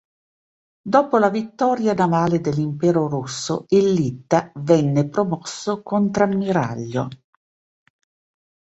Dopo la vittoria navale dell'Impero Russo, il Litta venne promosso contrammiraglio.